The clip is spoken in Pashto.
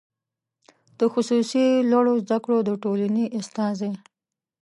د خصوصي لوړو زده کړو د ټولنې استازی